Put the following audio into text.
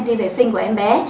đi vệ sinh của em bé